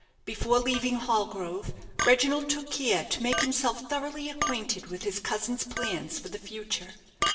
Before leaving Hallgrove, Reginald took care to make himself thoroughly acquainted with his cousin's plans for the future.